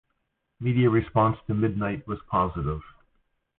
Media response to "Midnight" was positive.